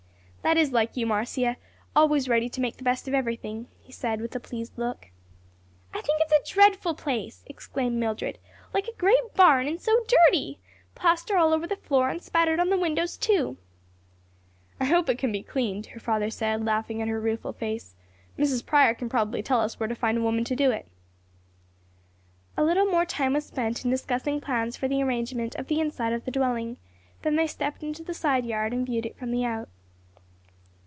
"That is like you, Marcia; always ready to make the best of everything," he said, with a pleased look. "I think it's a dreadful place!" exclaimed Mildred, "like a great barn; and so dirty! plaster all over the floor and spattered on the windows too." "I hope it can be cleaned," her father said, laughing at her rueful face. "Mrs. Prior can probably tell us where to find a woman to do it." A little more time was spent in discussing plans for the arrangement of the inside of the dwelling; then they stepped into the side yard and viewed it from the out.